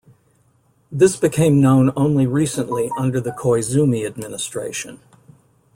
This became known only recently under the Koizumi administration.